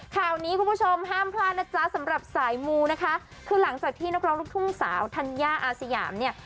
ข่าวนี้คุณผู้ชมห้ามพลาดนะจ๊ะสำหรับสายมูนะคะคือหลังจากที่นักร้องลูกทุ่งสาวธัญญาอาสยามเนี่ย